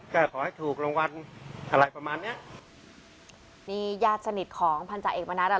ขอให้ถูกรางวัลอะไรประมาณเนี้ยนี่ญาติสนิทของพันธาเอกมณัฐอ่ะ